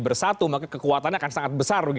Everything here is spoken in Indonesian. bersatu maka kekuatannya akan sangat besar